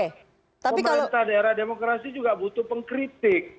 pemerintah daerah demokrasi juga butuh pengkritik